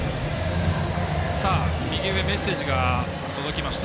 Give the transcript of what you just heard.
右上メッセージが届きました。